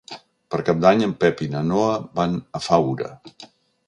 Per Cap d'Any en Pep i na Noa van a Faura.